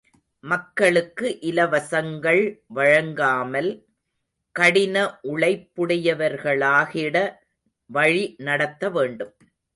மக்களுக்கு இலவசங்கள் வழங்காமல் கடின உழைப்புடையவர்களாகிட வழி நடத்த வேண்டும்.